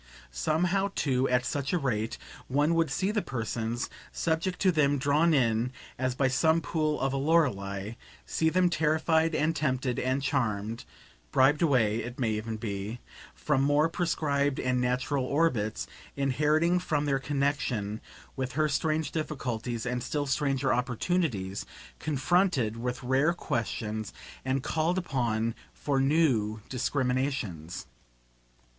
Somehow, too, at such a rate, one would see the persons subject to them drawn in as by some pool of a Lorelei see them terrified and tempted and charmed; bribed away, it may even be, from more prescribed and natural orbits, inheriting from their connexion with her strange difficulties and still stranger opportunities, confronted with rare questions and called upon for new discriminations.